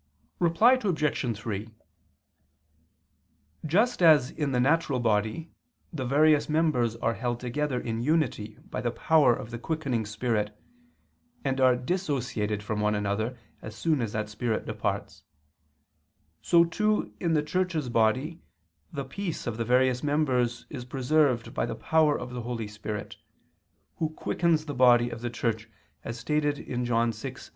Reply Obj. 3: Just as in the natural body the various members are held together in unity by the power of the quickening spirit, and are dissociated from one another as soon as that spirit departs, so too in the Church's body the peace of the various members is preserved by the power of the Holy Spirit, Who quickens the body of the Church, as stated in John 6:64.